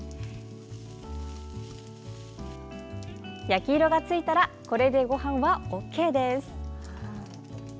焼き色がついたらこれで、ごはんはＯＫです。